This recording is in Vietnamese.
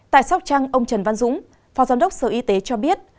tại sóc trăng ông trần văn dũng phó giám đốc sở y tế cho biết